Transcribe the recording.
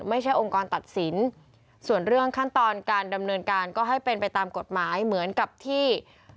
ไม่ใช่องค์กรตัดสินส่วนเรื่องขั้นตอนการดำเนินการก็ให้เป็นไปตามกฎหมายเหมือนกับที่